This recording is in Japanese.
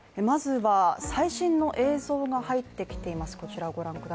まずは、最新の映像が入ってきています。